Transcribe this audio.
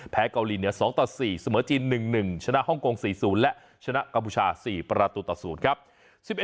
เกาหลีเหนือ๒ต่อ๔เสมอจีน๑๑ชนะฮ่องกง๔๐และชนะกัมพูชา๔ประตูต่อ๐ครับ